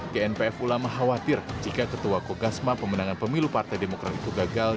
gnpf ulama khawatir jika ketua kogasma pemenangan pemilu partai demokrat itu gagal